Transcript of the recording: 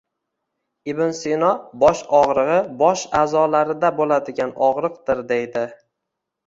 Ibn Sino: "Bosh og‘rig‘i bosh a’zolarida bo‘ladigan og‘riqdir" deydi.